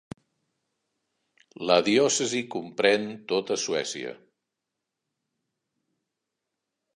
La diòcesi comprèn tota Suècia.